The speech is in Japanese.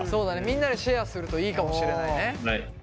みんなでシェアするといいかもしれないね。